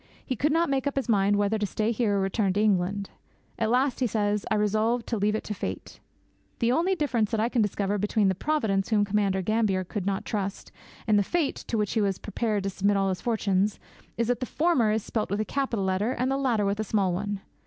He could not make up his mind whether to stay here or return to England. 'At last,' he says, 'I resolved to leave it to fate.' The only difference that I can discover between the 'Providence' whom Commander Gambier could not trust, and the 'fate' to which he was prepared to submit all his fortunes, is that the former is spelt with a capital letter and the latter with a small one!